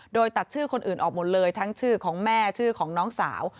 โดยตัดชื่อคนอื่นออกหมดเลยทั้งชื่อของแม่ชื่อของน้องสาว